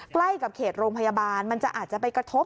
ใกล้กับเขตโรงพยาบาลมันจะอาจจะไปกระทบ